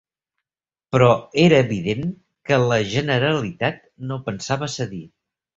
Però era evident que la Generalitat no pensava cedir